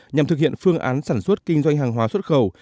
nhằm thực hiện phương án sản xuất kinh doanh hàng hóa xuất khẩu